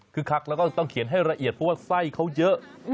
คือคักแล้วก็ต้องเขียนให้ละเอียดเพราะว่าไส้เขาเยอะ